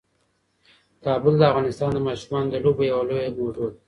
کابل د افغانستان د ماشومانو د لوبو یوه لویه موضوع ده.